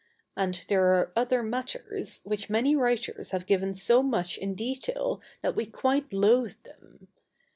And there are other matters which many writers have given so much in detail that we quite loathe them.